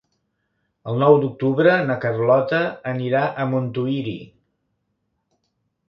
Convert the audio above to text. El nou d'octubre na Carlota anirà a Montuïri.